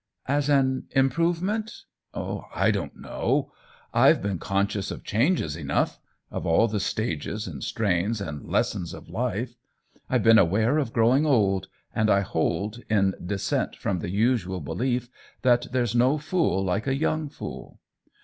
" As an improvement ? I don't know. I've been conscious of changes enough — of all the stages and strains and lessons of life. I've been aware of growing old, and I hold, in dissent from the usual belief, that there's no fool like a young fool.